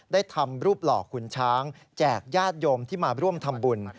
ทำรูปหล่อขุนช้างแจกญาติโยมที่มาร่วมทำบุญ